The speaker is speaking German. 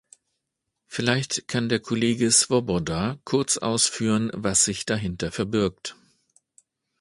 Vielleicht kann der Kollege Swoboda kurz ausführen, was sich dahinter verbirgt.